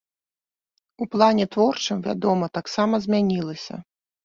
У плане творчым, вядома, таксама змянілася.